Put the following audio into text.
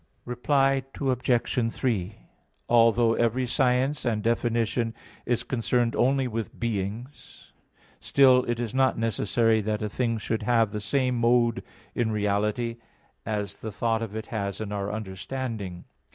Reply Obj. 3: Although every science and definition is concerned only with beings, still it is not necessary that a thing should have the same mode in reality as the thought of it has in our understanding.